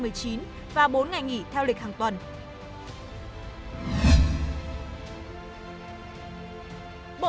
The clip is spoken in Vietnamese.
bộ tổng thống tổng thống tổng thống tổng thống tổng thống tổng thống tổng thống tổng thống